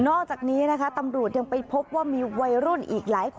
อกจากนี้นะคะตำรวจยังไปพบว่ามีวัยรุ่นอีกหลายคน